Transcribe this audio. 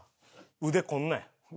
腕こんなんや。